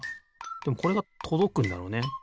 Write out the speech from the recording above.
でもこれがとどくんだろうね。